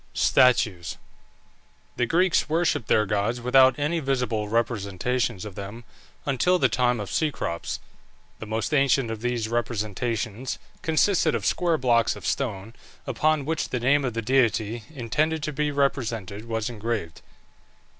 STATUES. The Greeks worshipped their gods without any visible representations of them until the time of Cecrops. The most ancient of these representations consisted of square blocks of stone, upon which the name of the deity intended to be represented was engraved.